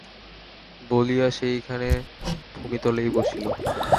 বলিয়া সেইখানে ভুমিতলেই বসিল।